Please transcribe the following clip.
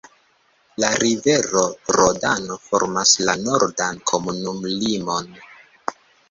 La rivero Rodano formas la nordan komunumlimon.